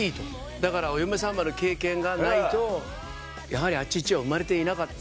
だから『お嫁サンバ』の経験がないとやはり「ＡＣＨＩＣＨＩ」は生まれていなかった。